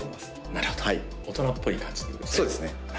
なるほど大人っぽい感じということですね